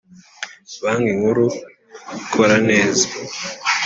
Banki Nkuru ikora neza.